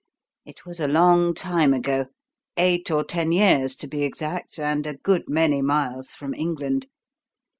It was a long time ago eight or ten years, to be exact and a good many miles from England.